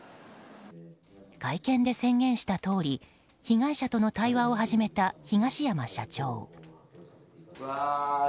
会見で宣言したとおり被害者との対話を始めた東山社長。